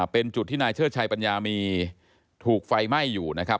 เป็นจุดที่นายเชิดชัยปัญญามีถูกไฟไหม้อยู่นะครับ